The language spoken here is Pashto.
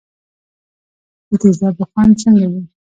د تیزابو خوند څنګه وي.